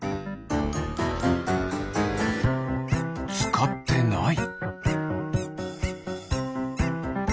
つかってない。